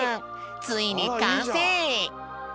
ついにかんせい！